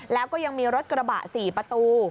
แล้วก็ยังมีรถกระบะ๔ประตู